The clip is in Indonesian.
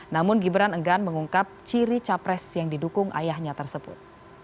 namun gibran enggan mengungkap ciri capres yang didukung ayahnya tersebut